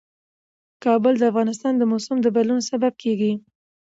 کابل د افغانستان د موسم د بدلون سبب کېږي.